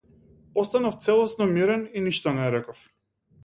Останав целосно мирен и ништо не реков.